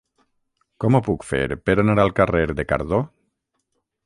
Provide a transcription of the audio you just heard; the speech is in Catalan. Com ho puc fer per anar al carrer de Cardó?